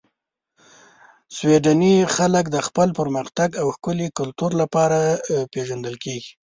سویدني خلک د خپل پرمختګ او ښکلي کلتور لپاره پېژندل کیږي.